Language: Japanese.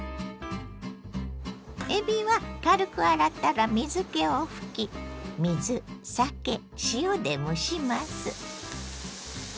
えびは軽く洗ったら水けを拭き水酒塩で蒸します。